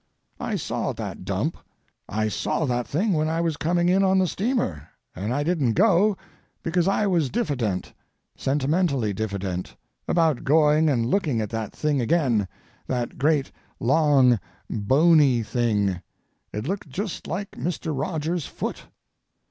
I saw that dump. I saw that thing when I was coming in on the steamer, and I didn't go because I was diffident, sentimentally diffident, about going and looking at that thing again—that great, long, bony thing; it looked just like Mr. Rogers's foot.